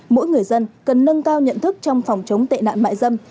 mỗi người dân cần nâng cao nhận thức trong phòng chống tệ nạn mại dâm